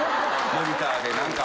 モニターで何か。